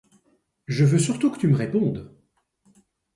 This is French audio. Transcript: Je veux surtout que tu me répondes.